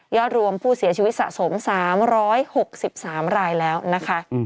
รวมผู้เสียชีวิตสะสม๓๖๓รายแล้วนะคะ